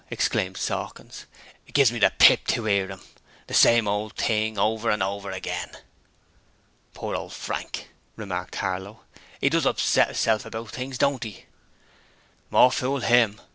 exclaimed Sawkins. 'It gives me the pip to 'ear 'im, the same old thing over and over again.' 'Poor ole Frank,' remarked Harlow. ''E does upset 'isself about things, don't 'e?' 'More fool 'im!'